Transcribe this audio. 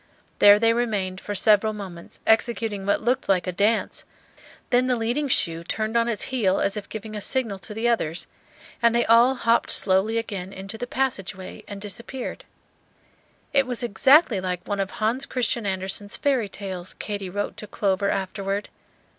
There they remained for several moments executing what looked like a dance; then the leading shoe turned on its heel as if giving a signal to the others, and they all hopped slowly again into the passage way and disappeared. It was exactly like one of Hans Christian Andersen's fairy tales, Katy wrote to Clover afterward.